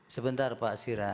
sebentar pak sira